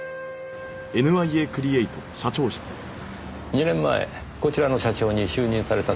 ２年前こちらの社長に就任されたそうで。